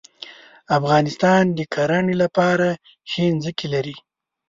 افغانستان د کرهڼې لپاره ښې ځمکې لري.